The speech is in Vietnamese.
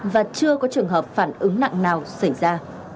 và chưa có trường hợp phản ứng nặng nào xảy ra